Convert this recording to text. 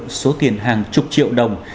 đi vay mượn số tiền hàng chục triệu đồng